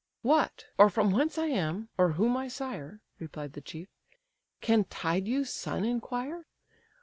"What, or from whence I am, or who my sire, (Replied the chief,) can Tydeus' son inquire?